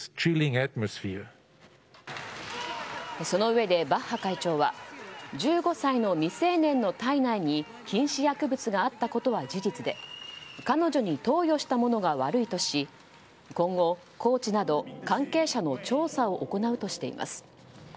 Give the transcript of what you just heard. そのうえで、バッハ会長は１５歳の未成年の体内に禁止薬物があったことは事実で彼女に投与した者が悪いとし今後、コーチなど関係者の調査を行うとしています。